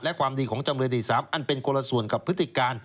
และความดีของจำเลยที่๓อันเป็นคนละส่วนกับพฤติการ